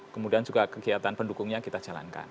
kemudian juga kegiatan pendukungnya kita jalankan